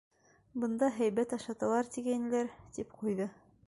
Бында һәйбәт ашаталар, тигәйнеләр... -тип ҡуйҙы.